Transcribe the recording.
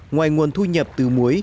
ngoài nguồn thu nhập từ muối